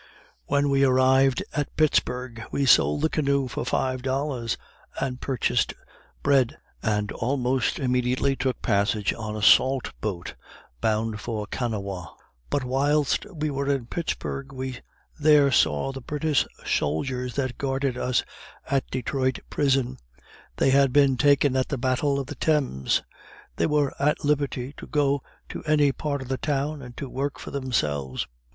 When we arrived at Pittsburg, we sold the canoe for five dollars, and purchased bread, and almost immediately took passage on a salt boat bound for Kanawha. But whilst we were in Pittsburg we there saw the British soldiers that guarded us at Detroit prison they had been taken at the battle of the Thames they were at liberty to go to any part of the town, and to work for themselves.